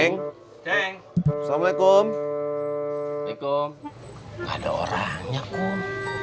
gak ada orangnya kom